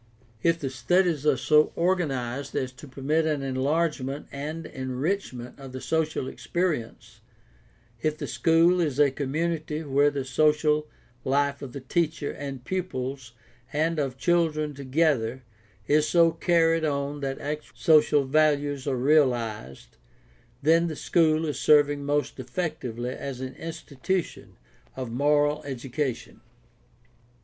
If the studies are so organized as to permit an enlargement and enrichment of the social experience, if the school is a community where the social life of teacher and pupils and of children together is so carried on that actual social values are realized, then the school is serving most effectively as an institution of moral education.